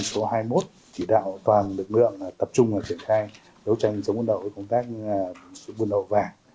tổ hai mươi một chỉ đạo toàn lực lượng tập trung và triển khai đấu tranh chống buôn lậu với công tác chống buôn lậu vàng